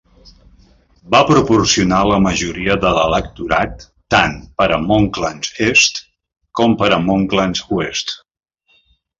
Va proporcionar la majoria de l'electorat tant per a Monklands Est com per a Monklands Oest.